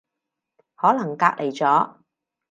可能隔離咗